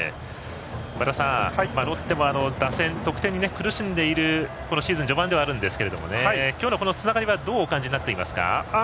和田さん、ロッテも打線、得点に苦しんでいるこのシーズン序盤ではありますが今日のつながりはどうお感じになっていますか？